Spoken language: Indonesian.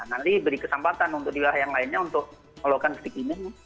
nanti beri kesempatan untuk di wilayah yang lainnya untuk melakukan stick ini